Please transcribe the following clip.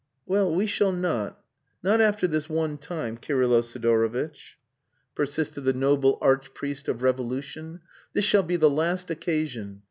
"Well, we shall not not after this one time, Kirylo Sidorovitch," persisted the noble arch priest of Revolution. "This shall be the last occasion.